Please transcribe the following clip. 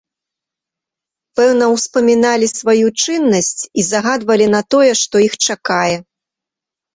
Пэўна, успаміналі сваю чыннасць і загадвалі на тое, што іх чакае.